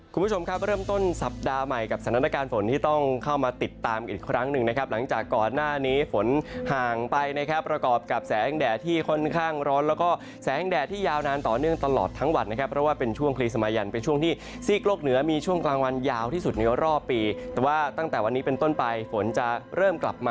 คุณผู้ชมครับเริ่มต้นสัปดาห์ใหม่กับสถานการณ์ฝนที่ต้องเข้ามาติดตามกันอีกครั้งหนึ่งนะครับหลังจากก่อนหน้านี้ฝนห่างไปนะครับประกอบกับแสงแดดที่ค่อนข้างร้อนแล้วก็แสงแดดที่ยาวนานต่อเนื่องตลอดทั้งวันนะครับเพราะว่าเป็นช่วงคลีสมายันเป็นช่วงที่ซีกโลกเหนือมีช่วงกลางวันยาวที่สุดในรอบปีแต่ว่าตั้งแต่วันนี้เป็นต้นไปฝนจะเริ่มกลับมา